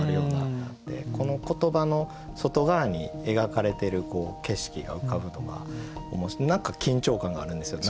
この言葉の外側に描かれてる景色が浮かぶのが何か緊張感があるんですよ。